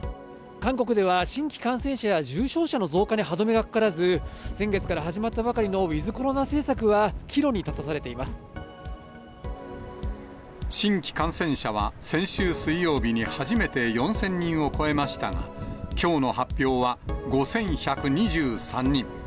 韓国では新規感染者や重症者の増加に歯止めがかからず、先月から始まったばかりのウィズコロナ政策は岐路に立たされてい新規感染者は先週水曜日に初めて４０００人を超えましたが、きょうの発表は、５１２３人。